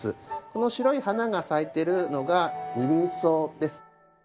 この白い花が咲いてるのがニリンソウです。